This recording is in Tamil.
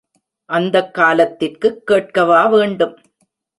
அந்தக் காலத்திற்குக் கேட்கவா வேண்டும்!